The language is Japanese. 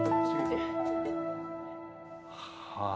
はい。